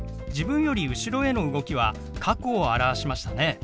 自分より後ろへの動きは過去を表しましたね。